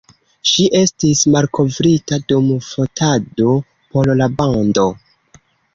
Ŝi estis malkovrita dum fotado por la bando.